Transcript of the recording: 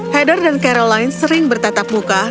heather dan caroline sering bertatap muka